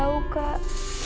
aku mau masuk rumah